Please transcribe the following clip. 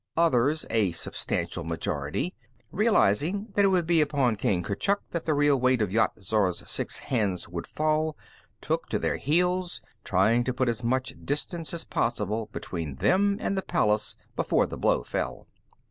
Others a substantial majority realizing that it would be upon King Kurchuk that the real weight of Yat Zar's six hands would fall, took to their heels, trying to put as much distance as possible between them and the palace before the blow fell.